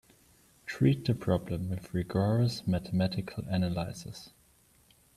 Treat the problem with rigorous mathematical analysis.